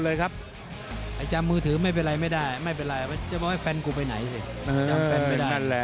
เปหมอรอธรรมานได้เลยนะ